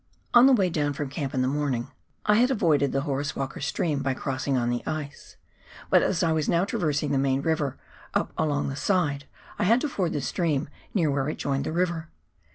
On the way down from camj) in the morning I had avoided TWAIN RIVER. 243 the Horace Walker stream by crossing on the ice, but as I was now traversing the main river up along the side, I had to ford the stream near where it joined the river.